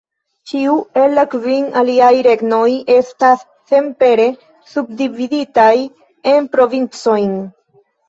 Ĉiu el la kvin aliaj regnoj estas senpere subdividitaj en provincojn.